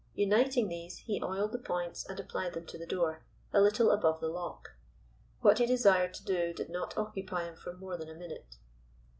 Uniting these, he oiled the points and applied them to the door, a little above the lock. What he desired to do did not occupy him for more than a minute.